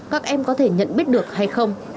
các em có thể nhận biết được hay không